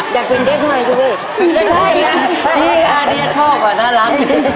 อยากเป็นเด็กหน่อยด้วย